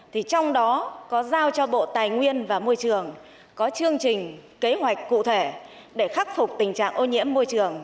thì trong đó có giao cho bộ tài nguyên và môi trường có chương trình kế hoạch cụ thể để khắc phục tình trạng ô nhiễm môi trường